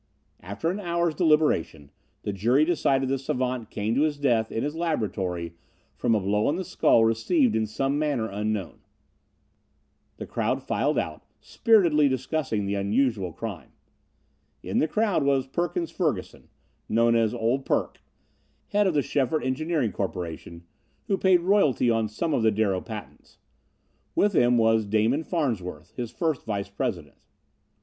After an hour's deliberation the jury decided the savant came to his death in his laboratory from a blow on the skull received in some manner unknown. The crowd filed out, spiritedly discussing the unusual crime. In the crowd was Perkins Ferguson, known as "Old Perk," head of the Schefert Engineering Corporation, who paid royalty on some of the Darrow patents. With him was Damon Farnsworth, his first vice president.